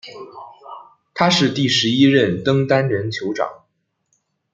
他是第十一任登丹人酋长。